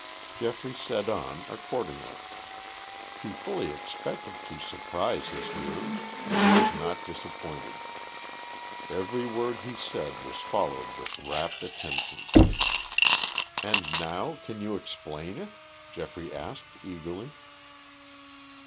Geoffrey said on accordingly. He fully expected to surprise his hearers, and he was not disappointed. Every word he said was followed with rapt attention. "And now can you explain it?" Geoffrey asked eagerly.